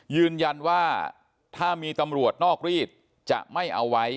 ยืนยันว่าถ้ามีตำรวจนอกรีดจะไม่เอาไว้